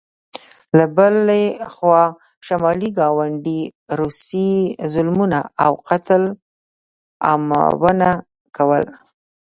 له بلې خوا شمالي ګاونډي روسیې ظلمونه او قتل عامونه کول.